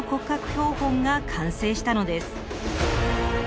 標本が完成したのです。